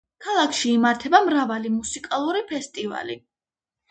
ქალაქში იმართება მრავალი მუსიკალური ფესტივალი.